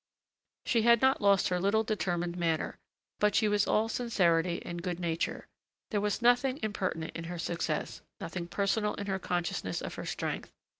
She had not lost her little determined manner; but she was all sincerity and good nature; there was nothing impertinent in her success, nothing personal in her consciousness of her strength.